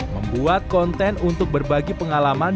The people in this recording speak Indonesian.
membuat konten untuk berbagi pengalaman